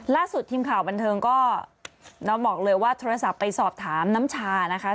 ล่าสุดทีมข่าวบันเทิงก็น้องบอกเลยว่าโทรศัพท์ไปสอบถามน้ำชานะคะ